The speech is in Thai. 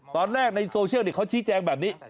ในโซเชียลเขาชี้แจงแบบนี้